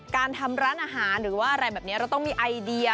การทำร้านอาหารหรือว่าอะไรแบบนี้เราต้องมีไอเดีย